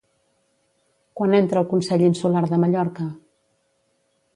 Quan entra al Consell Insular de Mallorca?